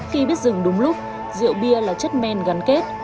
khi biết dừng đúng lúc rượu bia là chất men gắn kết